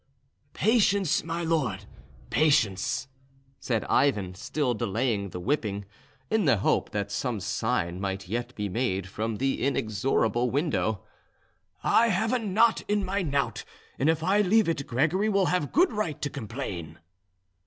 "Patience, my lord, patience," said Ivan, still delaying the whipping, in the hope that some sign might yet be made from the inexorable window. "I have a knot in my knout, and if I leave it Gregory will have good right to complain."